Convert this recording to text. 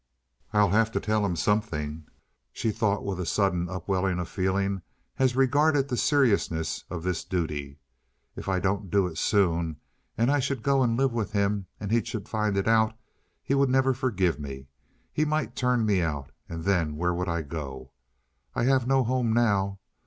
"I'll have to tell him something," she thought with a sudden upwelling of feeling as regarded the seriousness of this duty. "If I don't do it soon and I should go and live with him and he should find it out he would never forgive me. He might turn me out, and then where would I go? I have no home now.